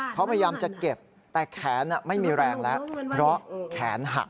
เขาพยายามจะเก็บแต่แขนไม่มีแรงแคร้งหัก